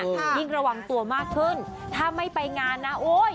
ยิ่งระวังตัวมากขึ้นถ้าไม่ไปงานนะโอ้ย